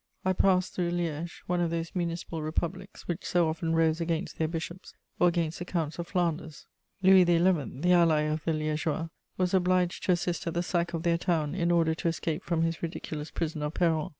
I passed through Liège, one of those municipal republics which so often rose against their bishops or against the Counts of Flanders. Louis XI., the ally of the Liégeois, was obliged to assist at the sack of their town in order to escape from his ridiculous prison of Péronne.